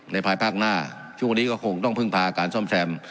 ภายภาคหน้าช่วงนี้ก็คงต้องพึ่งพาการซ่อมแซม